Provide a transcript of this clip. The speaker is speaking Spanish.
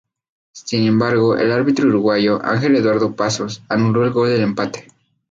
Sin embargo el árbitro uruguayo, Ángel Eduardo Pazos, anuló el gol del empate.